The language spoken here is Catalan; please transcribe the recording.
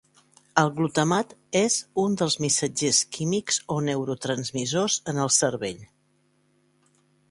El glutamat és un dels missatgers químics o neurotransmissors en el cervell.